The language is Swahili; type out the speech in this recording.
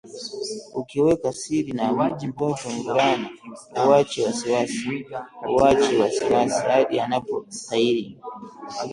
Ukiweka siri na mtoto mvulana huachi wasiwasi hadi anapotahiri